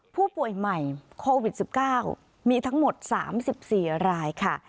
ผู้ป่วยใหม่โควิด๑๙มีทั้งหมด๓๔รายค่ะ